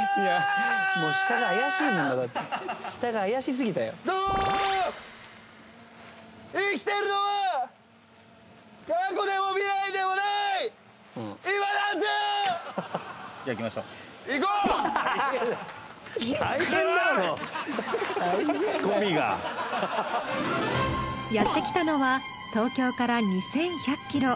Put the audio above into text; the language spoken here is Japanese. やってきたのは東京から２，１００キロ。